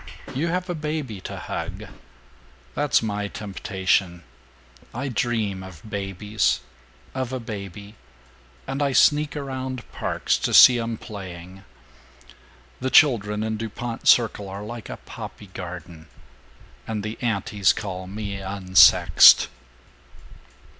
You have a baby to hug. That's my temptation. I dream of babies of a baby and I sneak around parks to see them playing. (The children in Dupont Circle are like a poppy garden.) And the antis call me 'unsexed'!"